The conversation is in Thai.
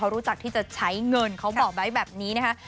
รู้จักที่จะใช้เงินเขาบอกไว้แบบนี้นะคะ